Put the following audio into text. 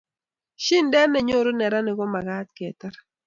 shidet nenyoru neranik ko makat ketar